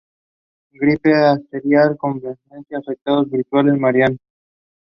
Beck was born to parents Shaun Beck and Sara.